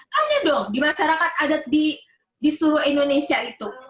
tanya dong di masyarakat adat di seluruh indonesia itu